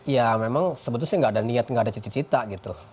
ya memang sebetulnya nggak ada niat nggak ada cita cita gitu